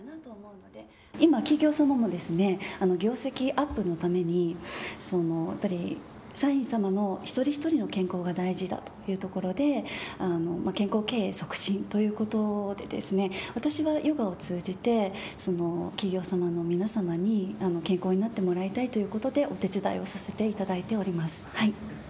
今、企業様も業績アップのために社員様の一人ひとりの健康が大事だというところで健康促進ということで私はヨガを通じて企業様の皆様に健康になってもらいたいということでお手伝いをさせていただいております。